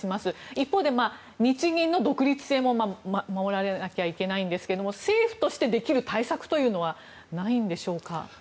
一方で日銀の独立性も守られなきゃいけないんですけど政府としてできる対策というのはないんでしょうか。